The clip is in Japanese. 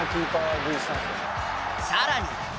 さらに。